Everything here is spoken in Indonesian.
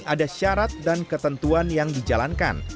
ada syarat dan ketentuan yang dijalankan